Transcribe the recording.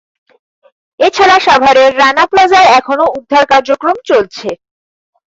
এ ছাড়া সাভারের রানা প্লাজায় এখনো উদ্ধার কার্যক্রম চলছে।